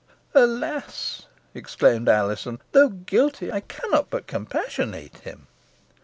"Alas!" exclaimed Alizon, "though guilty, I cannot but compassionate him."